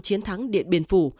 chiến thắng điện biên phủ